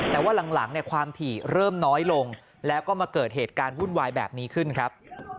แต่ว่าหลังความถี่เริ่มน้อยลงแล้วก็มาเกิดเหตุการณ์วุ่นวายแบบนี้ขึ้นครับ